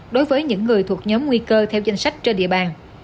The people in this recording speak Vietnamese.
đối với những người thuộc nhóm nguy cơ theo danh sách trên địa bàn